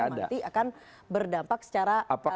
tujuannya berarti akan berdampak secara jangka panjang